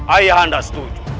ayah anda setuju